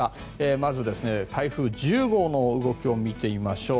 まず、台風１０号の動きを見てみましょう。